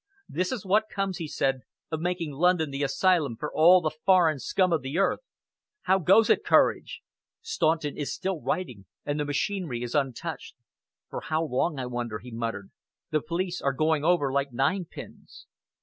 "This is what comes," he said, "of making London the asylum for all the foreign scum of the earth. How goes it, Courage?" "Staunton is still writing, and the machinery is untouched." "For how long, I wonder," he muttered. "The police are going over like ninepins."